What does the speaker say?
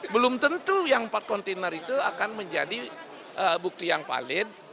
belum tentu yang empat kontainer itu akan menjadi bukti yang valid